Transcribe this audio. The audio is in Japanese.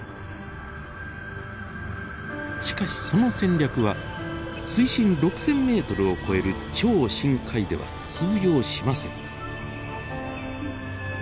しかしその戦略は水深６，０００ｍを超える超深海では通用しません。